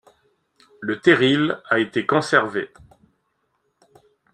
Le terril a été conservé.